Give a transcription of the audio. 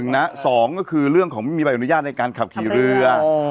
สองก็คือเรื่องของไม่มีใบอนุญาตในการขับขี่เรือ